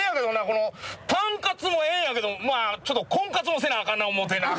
この「タンカツ」もええんやけどもちょっと婚活もせなあかんな思うてな。